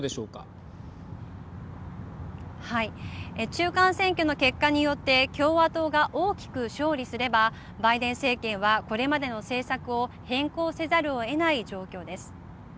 中間選挙の結果によって共和党が大きく勝利すればバイデン政権はこれまでの政策を変更せざるをえない状況です。